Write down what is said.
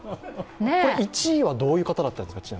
１位はどういう方だったんですか？